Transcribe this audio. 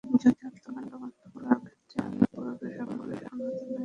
যদিও হত্যাকাণ্ড বন্ধ করার ক্ষেত্রে আমরা পুরোপুরি সফল এখনো হতে পারিনি।